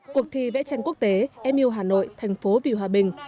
cuộc thi vẽ tranh quốc tế em yêu hà nội thành phố vì hòa bình